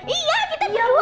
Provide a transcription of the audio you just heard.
iya kita berdua bu